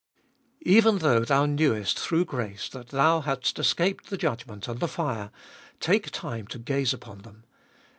2. Even though thou hnewest, through grace, that thou hadst escaped the judgment and the fire, take time to gaze upon them.